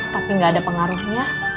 tapi nggak ada pengaruhnya